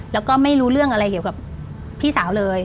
แล้วก็ไม่รู้เรื่องอะไรเกี่ยวกับพี่สาวเลย